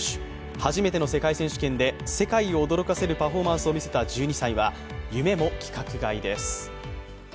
初めての世界選手権で世界を驚かせるパフォーマンスを見せた１２歳は夢も規格外です。